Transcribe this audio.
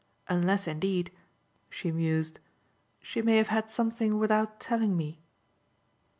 Unless indeed," she mused, "she may have had something without telling me."